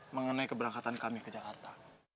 mengenai keberangkatan kami ke jakarta